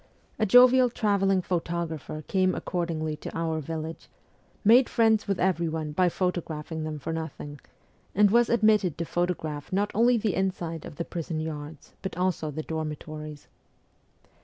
A jovial travelling photographer came accordingly to our vil lage, made friends with everyone by photographing them for nothing, and was admitted to photograph, not only the inside of the prison yards, but also the dormitories.